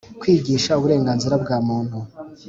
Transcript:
Kwigisha uburenganzira bwa Muntu